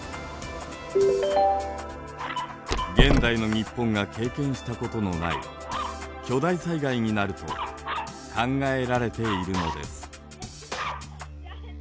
現代の日本が経験したことのない巨大災害になると考えられているのです。